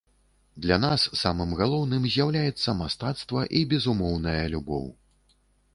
Для нас самым галоўным з'яўляецца мастацтва і безумоўная любоў.